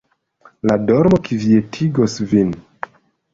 La dormo kvietigos vin.